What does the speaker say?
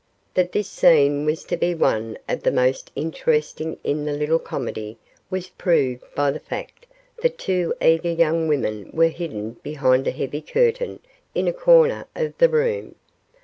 That this scene was to be one of the most interesting in the little comedy was proved by the fact that two eager young women were hidden behind a heavy curtain in a corner of the room.